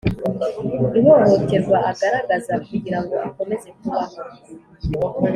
ihohoterwa agaragaza kugira ngo akomeze kubaho